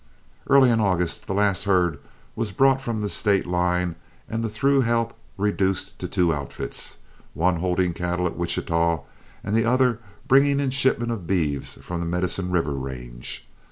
Early in August the last herd was brought from the state line and the through help reduced to two outfits, one holding cattle at Wichita and the other bringing in shipments of beeves from the Medicine River range.